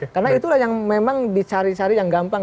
karena itulah yang memang dicari cari yang gampang